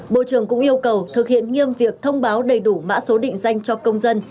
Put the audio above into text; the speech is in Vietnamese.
bộ trưởng cũng yêu cầu thực hiện nghiêm việc thông báo đầy đủ mã số định danh cho công dân